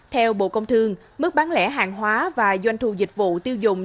theo bộ công thương mức bán lẻ hàng hóa và doanh thu dịch vụ tiêu dùng